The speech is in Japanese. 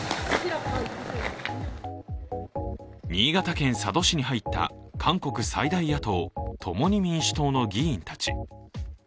新潟県佐渡市に入った韓国最大野党、共に民主党の議員たち。